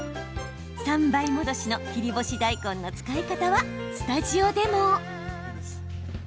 ３倍戻しの切り干し大根の使い方はスタジオでも。